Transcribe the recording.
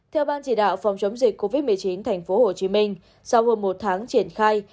theo ban chỉ đạo phòng chống dịch covid một mươi chín tp hcm sau hơn một tháng triển khai